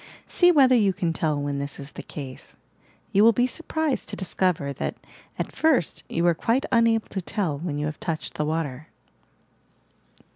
See whether you can tell when this is the case. You will be surprised to discover that, at first, you are quite unable to tell when you have touched the water